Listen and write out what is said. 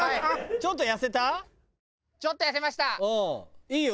ちょっと痩せました。